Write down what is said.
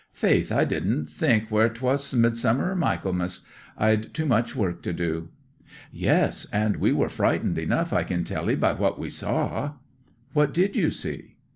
Faith I didn't think whe'r 'twas Midsummer or Michaelmas; I'd too much work to do." '"Yes. And we were frightened enough, I can tell 'ee, by what we saw." '"What did ye see?"